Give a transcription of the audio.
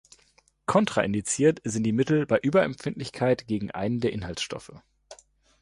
Kontraindiziert sind die Mittel bei Überempfindlichkeit gegen einen der Inhaltsstoffe.